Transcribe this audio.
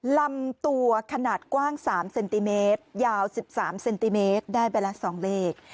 ลำตัวขนาดกว้าง๓เซนติเมตรยาว๑๓เซนติเมตรได้ไปละ๒เลข